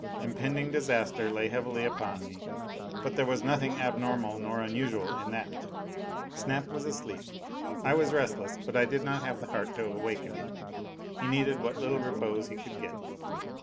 Impending disaster lay heavily upon me. But there was nothing abnormal nor unusual in that! Snap was asleep. I was restless, but I did not have the heart to awaken him. He needed what little repose he could get.